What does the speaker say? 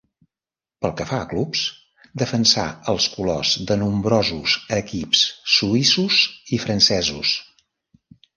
Pel que fa a clubs, defensà els colors de nombrosos equips suïssos i francesos.